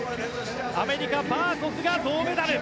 アメリカバーコフが銅メダル。